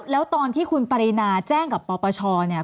แล้วตอนที่คุณปรินาแจ้งกับปปชเนี่ย